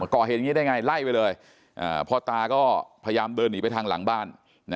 ก่อเหตุอย่างนี้ได้ไงไล่ไปเลยพ่อตาก็พยายามเดินหนีไปทางหลังบ้าน